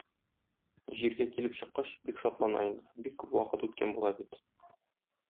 Җиргә килеп чыккач, бик шатлана инде, бик күп вакыт үткән була бит.